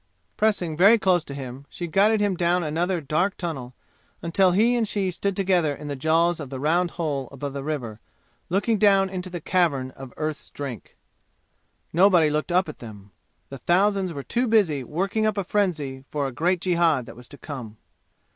Pressing very close to him, she guided him down another dark tunnel until he and she stood together in the jaws of the round hole above the river, looking down into the cavern of Earth's Drink. Nobody looked up at them. The thousands were too busy working up a frenzy for the great jihad that was to come.